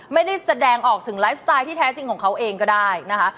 ไม่ได้แสดงออกถึงไลฟ์สไตล์ที่แท้จริงของเขาเองก็ได้นะคะ